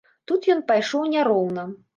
Тут ён пайшоў няроўна.